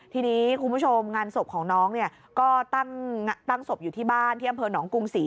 ทีนี้คุณผู้ชมงานศพของน้องเนี่ยก็ตั้งศพอยู่ที่บ้านที่อำเภอหนองกรุงศรี